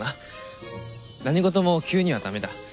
何事も急にはダメだ。